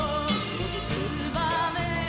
「つばめよ